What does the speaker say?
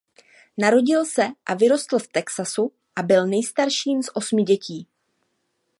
Narodil se a vyrostl v Texasu a byl nejstarším z osmi dětí.